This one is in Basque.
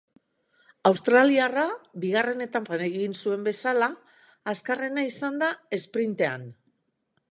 Australiarra, bigarren etapan egin zuen bezala, azkarrena izan da esprintean.